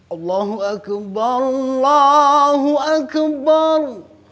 allahu akbar allahu akbar